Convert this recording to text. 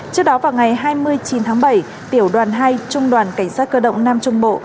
trước đó vào ngày hai mươi chín tháng bảy tiểu đoàn hai trung đoàn cảnh sát cơ động nam trung bộ